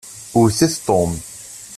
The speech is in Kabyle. Wwtet Tom.